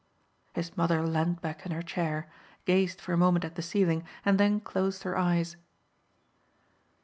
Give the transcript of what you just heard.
His mother leaned back in her chair, gazed for a moment at the ceiling and then closed her eyes.